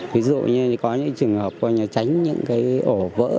ví dụ như có những trường hợp tránh những cái ổ vỡ